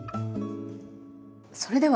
それでは。